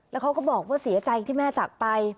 แล้วเขาก็บอกว่าเสียใจที่แม่จากไป